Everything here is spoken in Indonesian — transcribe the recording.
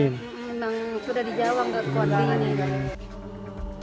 emang sudah di jawa enggak kuat dingin